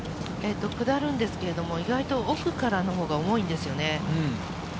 下るんですけど、意外と奥のほうからのほうが重いんですよね。